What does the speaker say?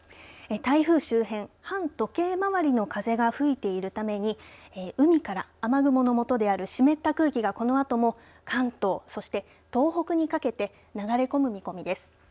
台風周辺、反時計回りの風が吹いているために海から雨雲のもとである湿った空気が、このあとも関東、そして東北にかけて流れ込む見込みです。